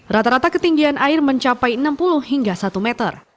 rata rata ketinggian air mencapai enam puluh hingga satu meter